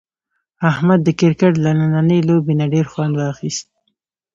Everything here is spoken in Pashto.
احمد د کرکټ له نننۍ لوبې نه ډېر خوند واخیست.